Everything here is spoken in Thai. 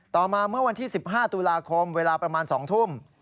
ต่อมาเมื่อวันที่๑๕ตุลาคมเวลาประมาณ๒ทุ่ม